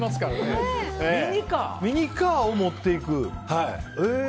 ミニカーを持っていく？